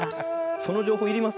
その情報要ります？